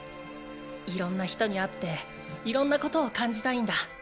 色んな人に会って色んなことを感じたいんだ。